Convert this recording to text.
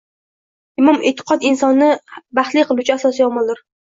Imon-e’tiqod insonni baxtli qiluvchi asosiy omildir.